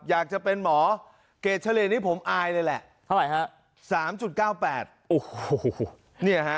อยากจะเป็นหมอเกรดเฉลี่ยนี่ผมอายเลยแหละเท่าไหร่ฮะ๓๙๘โอ้โหเนี่ยฮะ